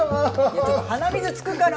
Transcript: いやちょっと鼻水付くから。